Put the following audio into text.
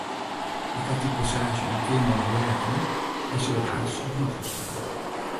Ik haw dy passaazje in kearmannich lêzen en sil it aanstens noch ris dwaan.